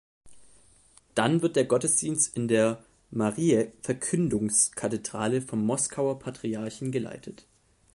Dann wird der Gottesdienst in der Mariä-Verkündigungs-Kathedrale vom Moskauer Patriarchen geleitet.